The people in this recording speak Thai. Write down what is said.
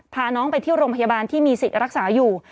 พาน้องไปที่โรงพยาบาลที่มีสิทธิ์รักษาอยู่